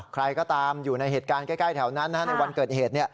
ใครก็ตามอยู่ในเหตุการณ์ใกล้แถวนั้นในวันเกิดเหตุ